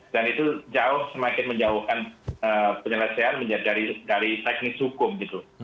dan itu jauh semakin menjauhkan penyelesaian dari teknis hukum gitu